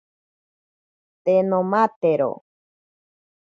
Te nomatero.